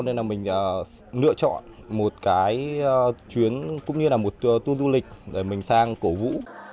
nên là mình lựa chọn một cái chuyến cũng như là một tour du lịch rồi mình sang cổ vũ